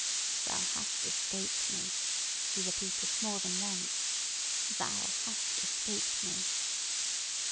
"Thou hast escaped me!" he repeated more than once. "Thou hast escaped me!"